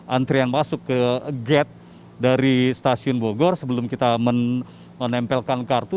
antrian masuk ke gate dari stasiun bogor sebelum kita menempelkan kartu